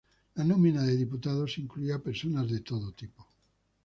La nómina de diputados incluía personas de todo tipo.